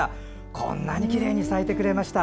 こんなにきれいに咲いてくれました。